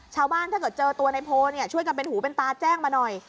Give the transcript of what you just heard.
ถ้าเกิดเจอตัวในโพลช่วยกันเป็นหูเป็นตาแจ้งมาหน่อย